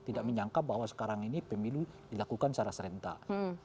tidak menyangka bahwa sekarang ini pemilu dilakukan secara serentak